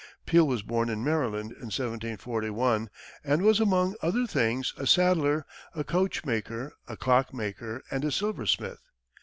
Peale was born in Maryland in 1741, and was, among other things, a saddler, a coach maker, a clock maker and a silversmith.